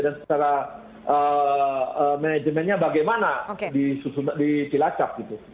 dan secara manajemennya bagaimana di cilacap gitu